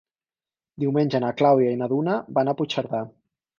Diumenge na Clàudia i na Duna van a Puigcerdà.